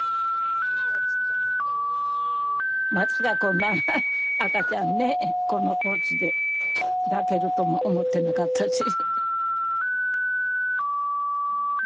まさかこんな赤ちゃんねこの年で抱けるとも思ってなかったし。